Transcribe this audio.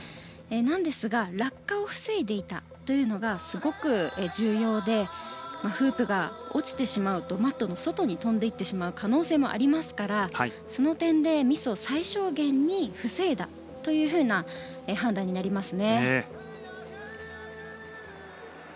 なんですが落下を防いでいたというのがすごく重要でフープが落ちてしまうとマットの外に飛んでいってしまう可能性もありますからその点でミスを最小限に防いだというふうな判断になりますね。